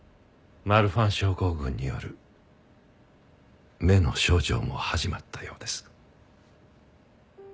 マルファン症候群による目の症状も始まったようです。